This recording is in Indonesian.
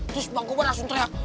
terus bang kupon langsung teriak